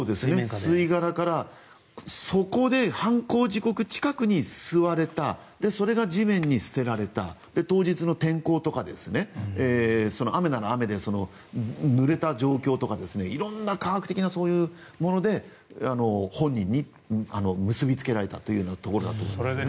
吸い殻からそこで犯行時刻近くに吸われたそれが地面に捨てられた当日の天候とか雨なら雨でぬれた状況とか色んな科学的なもので本人に結びつけられたというところだと思いますね。